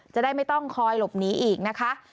จะได้ไม่ต้องคอยหลบหนีอีกนะคะ